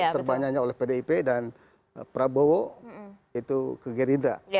terbanyaknya oleh pdip dan prabowo itu ke gerindra